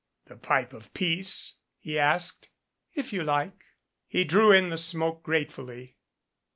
"The pipe of peace?" he asked. "If you like." He drew in the smoke gratefully.